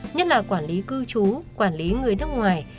nhất là quản lý cư trú quản lý người nước ngoài